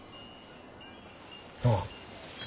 ああ。